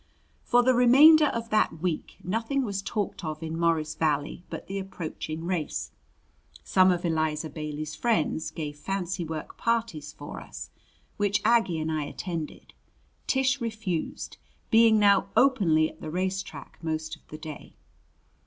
For the remainder of that week nothing was talked of in Morris Valley but the approaching race. Some of Eliza Bailey's friends gave fancy work parties for us, which Aggie and I attended. Tish refused, being now openly at the race track most of the day.